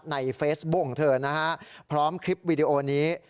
ในเฟซบุ้งเธอนะครับพร้อมคลิปวิดีโอนี้